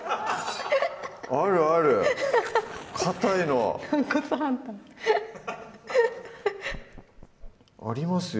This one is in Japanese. あるあるかたいのありますよ